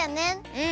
うん。